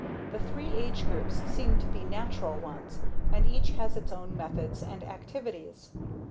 The three age groups seem to be natural ones and each has its own methods and activities.